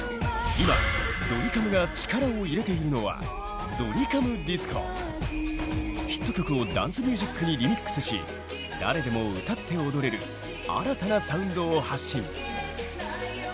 今ドリカムが力を入れているのはヒット曲をダンスミュージックにリミックスし誰でも歌って踊れる新たなサウンドを発信。